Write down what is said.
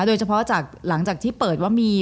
โดยเฉพาะจากหลังจากที่เปิดว่ามี